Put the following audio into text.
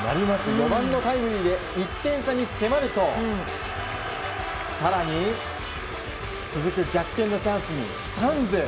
４番のタイムリーで１点差に迫ると更に、続く逆転のチャンスにサンズ。